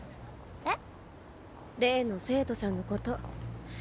えっ？